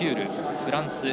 フランス。